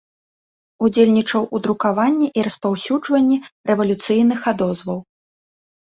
Удзельнічаў у друкаванні і распаўсюджванні рэвалюцыйных адозваў.